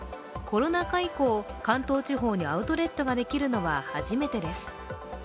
コロナ禍以降、関東地方にアウトレットができるのは初めてです。